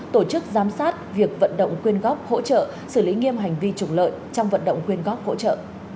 tổ chức giám sát việc vận động quyên góp hỗ trợ xử lý nghiêm hành vi trục lợi trong vận động quyên góp hỗ trợ